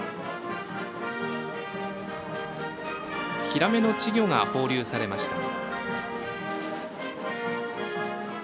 ヒラメの稚魚が放流されました。